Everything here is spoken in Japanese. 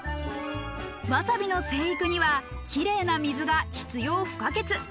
わさびの生育にはキレイな水が必要不可欠。